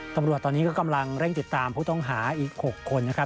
ตำรวจตอนนี้ก็กำลังเร่งติดตามผู้ต้องหาอีก๖คนนะครับ